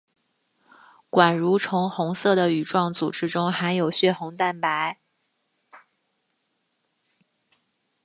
管蠕虫红色的羽状组织中含有血红蛋白。